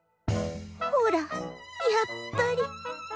ほらやっぱり。